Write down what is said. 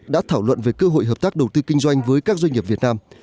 đã thảo luận về cơ hội hợp tác đầu tư kinh doanh với các doanh nghiệp việt nam